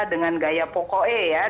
dengan gaya pokoknya